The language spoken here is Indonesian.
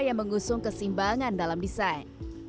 yang mengusung kesimbangan dalam desain